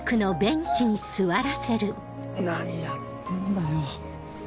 何やってんだよ。